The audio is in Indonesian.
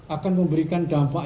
akan memberikan dampak